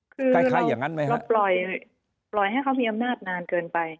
คือเราปล่อยให้เขามีอำนาจนานเกินไป